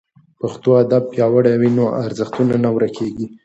که پښتو ادب پیاوړی وي نو ارزښتونه نه ورکېږي.